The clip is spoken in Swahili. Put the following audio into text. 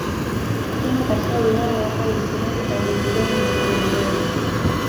Tena katika wilaya ya Hai sehemu za Rundugai na mto Weruweru